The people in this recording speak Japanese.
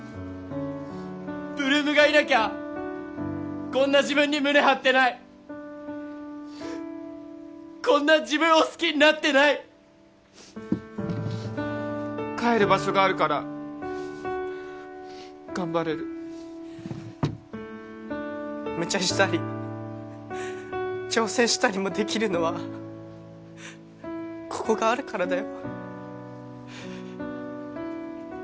８ＬＯＯＭがいなきゃこんな自分に胸張ってないこんな自分を好きになってない帰る場所があるから頑張れるむちゃしたり挑戦したりもできるのはここがあるからだよ